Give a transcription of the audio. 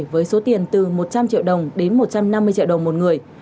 với số tiền từ một trăm linh triệu đồng đến một trăm năm mươi triệu đồng một người